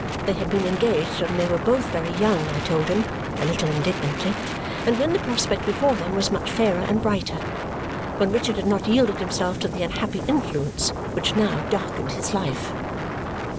They had been engaged when they were both very young, I told him (a little indignantly) and when the prospect before them was much fairer and brighter. When Richard had not yielded himself to the unhappy influence which now darkened his life.